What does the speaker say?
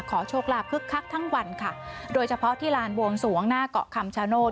โชคลาภคึกคักทั้งวันค่ะโดยเฉพาะที่ลานบวงสวงหน้าเกาะคำชโนธ